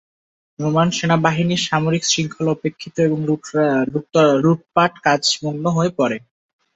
Roman সেনাবাহিনী সামরিক শৃঙ্খলা উপেক্ষিত এবং লুটপাট কাজ মগ্ন হয়ে পরে।